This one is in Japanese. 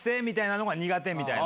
みたいなのが苦手。